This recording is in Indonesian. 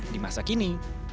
di masa kini